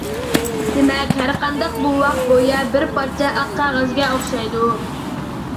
دېمەك، ھەرقانداق بوۋاق گويا بىر پارچە ئاق قەغەزگە ئوخشايدۇ.